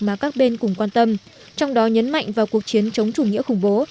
mà các bên cùng quan tâm trong đó nhấn mạnh vào cuộc chiến chống chủ nghĩa khủng bố